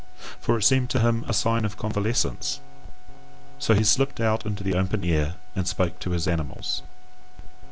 For it seemed to him a sign of convalescence. So he slipped out into the open air and spake to his animals.